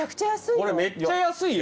これめっちゃ安いよ。